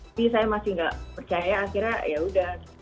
tapi saya masih nggak percaya akhirnya yaudah